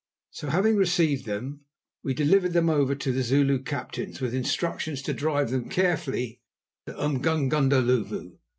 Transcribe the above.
So, having received them, we delivered them over to the Zulu captains, with instructions to drive them carefully to Umgungundhlovu.